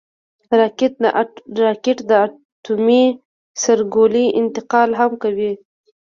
راکټ د اټومي سرګلولې انتقال هم کوي